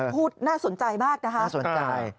พูดน่าสนใจมากนะครับ